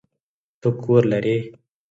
ته کور لری؟